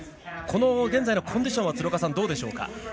この現在のコンディションは鶴岡さん、どうでしょうか？